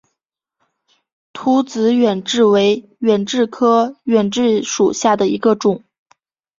凹籽远志为远志科远志属下的一个种。